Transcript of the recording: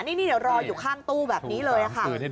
นี่รออยู่ข้างตู้แบบนี้เลยค่ะ